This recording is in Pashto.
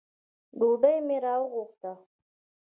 ډوډۍ مي راوغوښته .